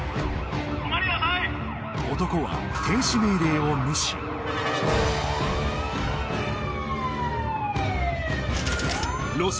男は停止命令を無視ロス